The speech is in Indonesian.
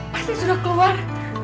pasti sudah keluar